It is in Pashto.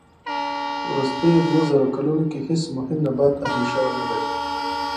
وروستيو دووزرو کلونو کې هېڅ مهم نبات اهلي شوی نه دي.